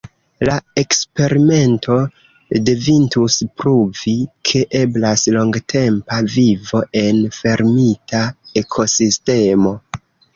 La eksperimento devintus pruvi, ke eblas longtempa vivo en fermita ekosistemo.